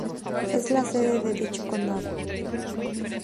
Es la sede de dicho condado.